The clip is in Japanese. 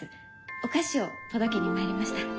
お菓子を届けに参りました。